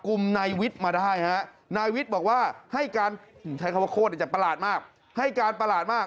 กุมในวิทย์มาได้นะวิทย์บอกว่าให้การใช้เขาโคตรยังจะประหลาดมากให้การประหลาดมาก